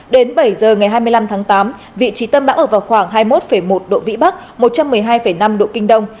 đến bảy giờ ngày hai mươi năm tháng tám vị trí tâm bão ở vào khoảng hai mươi một một độ vĩ bắc một trăm một mươi hai năm độ kinh đông